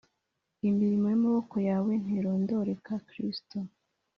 Imirimo yamaboko yawe ntirondoreka kristo